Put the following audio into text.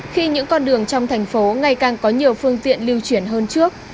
khi những con đường trong thành phố ngày càng có nhiều phương tiện lưu chuyển hơn trước